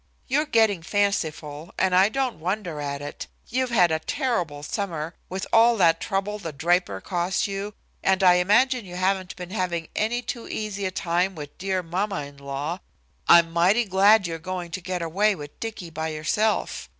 You're getting fanciful, and I don't wonder at it. You've had a terrible summer, with all that trouble the Draper caused you, and I imagine you haven't been having any too easy a time with dear mamma in law, I'm mighty glad you're going to get away with Dicky by yourself.